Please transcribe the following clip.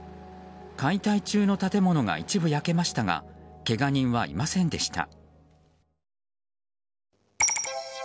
解体中の建物が一部焼けましたがけが人はいませんでした。